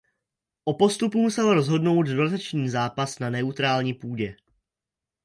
O postupu musel rozhodnout dodatečný zápas na neutrální půdě.